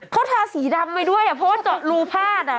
เพราะตาสีดำไว้ด้วยเพราะว่าจอดรูพาดน่ะ